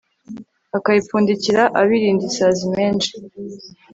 akabipfundikira abirinda isazi menshi